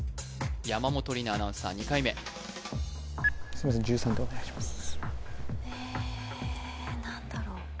山本里菜アナウンサー２回目すいません１３でお願いしますええ